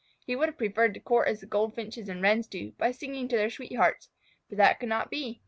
He would have preferred to court as the Goldfinches and Wrens do, by singing to their sweethearts, but that could not be.